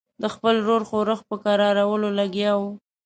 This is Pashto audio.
د خپل ورور ښورښ په کرارولو لګیا وو.